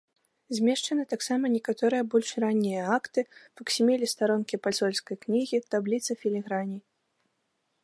Змешчаны таксама некаторыя больш раннія акты, факсіміле старонкі пасольскай кнігі, табліца філіграней.